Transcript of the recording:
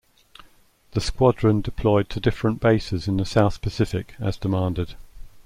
The squadron deployed to different bases in the South Pacific as demanded.